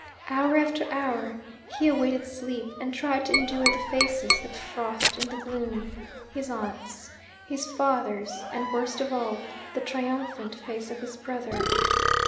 Hour after hour he awaited sleep and tried to endure the faces that frothed in the gloom his aunt's, his father's, and, worst of all, the triumphant face of his brother.